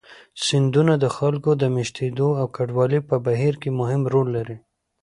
سیندونه د خلکو د مېشتېدو او کډوالۍ په بهیر کې مهم رول لري.